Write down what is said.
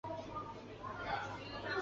本科鱼体长椭圆形而侧扁。